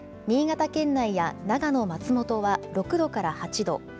新潟県内や長野・松本は６度から８度。